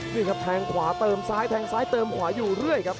นี่ครับแทงขวาเติมซ้ายแทงซ้ายเติมขวาอยู่เรื่อยครับ